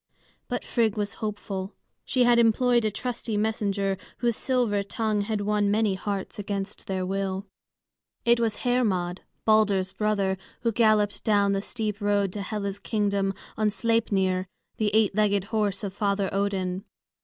But Frigg was hopeful; she had employed a trusty messenger, whose silver tongue had won many hearts against their will. It was Hermod, Balder's brother, who galloped down the steep road to Hela's kingdom, on Sleipnir, the eight legged horse of Father Odin.